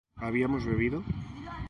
¿habíamos bebido?